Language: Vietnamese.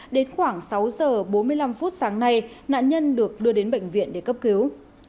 đến khoảng sáu h bốn mươi năm sáng nay nạn nhân được đưa đến bệnh viện để cấp cứu